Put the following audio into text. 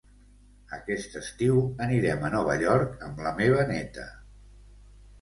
Aquest estiu anirem a Nova York amb la meva neta